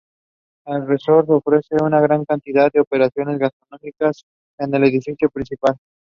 I saw what they were trying to do and was very impressed.